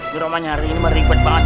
dura umar nyari ini merequit banget